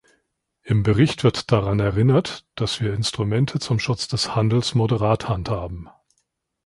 Im Bericht wird daran erinnert, dass wir Instrumente zum Schutz des Handels moderat handhaben.